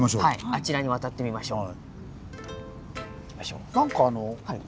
あちらに渡ってみましょう。